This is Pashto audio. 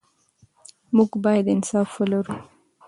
موږ باید انصاف ولرو.